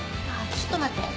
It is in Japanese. ちょっと待って。